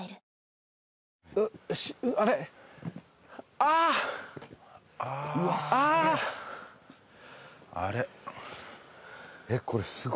あああれ？